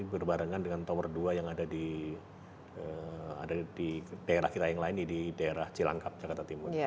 berbarengan dengan tower dua yang ada di daerah kita yang lain di daerah cilangkap jakarta timur